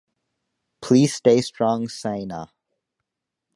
Please stay strong Sainaa.